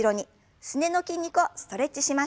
すねの筋肉をストレッチしましょう。